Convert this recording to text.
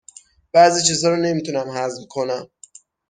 بعضی چیزا رو نمی تونم هضم کنم